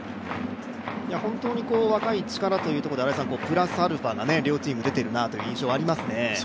本当に若い力というところでプラスアルファが両チーム出ているという印象がありますね。